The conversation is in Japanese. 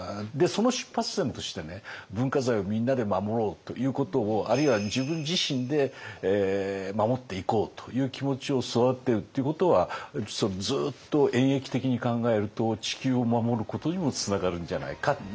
その出発点として文化財をみんなで守ろうということをあるいは自分自身で守っていこうという気持ちを育てるっていうことはずっと演えき的に考えると地球を守ることにもつながるんじゃないかなと思いますね。